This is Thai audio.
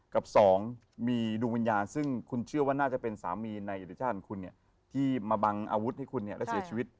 กับสองมีดวงวิญญาณซึ่งคุณเชื่อว่าน่าจะเป็นสามีในอดีตชาติของคุณเนี่ยที่มาบังอาวุธให้คุณเนี่ยแล้วเสียชีวิต